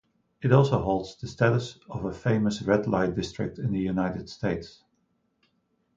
It also holds the status as a famous red-light district in the United States.